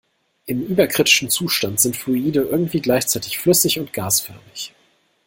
Im überkritischen Zustand sind Fluide irgendwie gleichzeitig flüssig und gasförmig.